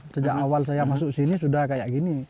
sejak awal saya masuk sini sudah kayak gini